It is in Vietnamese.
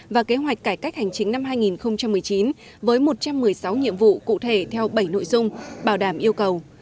và kế hoạch cải cách hành chính năm hai nghìn một mươi chín với một trăm một mươi sáu nhiệm vụ cụ thể theo bảy nội dung bảo đảm yêu cầu